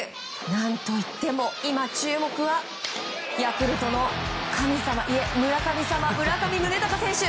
何といっても今、注目はヤクルトの神様いえ、村神様村上宗隆選手！